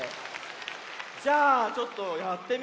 じゃあちょっとやってみようか。